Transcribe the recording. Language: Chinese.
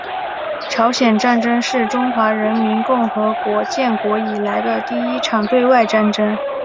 朝鲜战争是中华人民共和国建国以来的第一场对外战争。